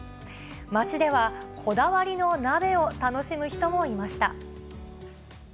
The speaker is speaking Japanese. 街では、こだわりの鍋を楽しむ人もいました。